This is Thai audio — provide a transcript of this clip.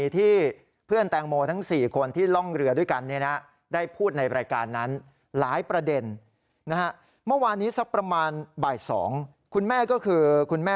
ที่คุณแม่บอกว่ามีหลักฐานนะ